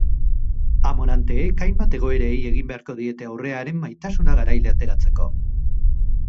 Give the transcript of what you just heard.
Amoranteek hainbat egoerei egin beharko diete aurre haren maitasuna garaile ateratzeko.